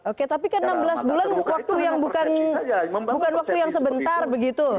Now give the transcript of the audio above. oke tapi kan enam belas bulan waktu yang bukan waktu yang sebentar begitu